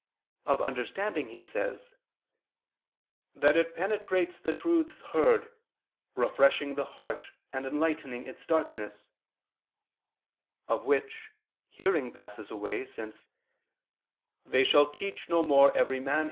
Of understanding, he says "that it penetrates the truths heard, refreshing the heart and enlightening its darkness," of which, hearing passes away, since "they shall teach no more every man